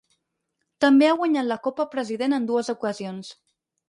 També ha guanyat la Copa President en dues ocasions.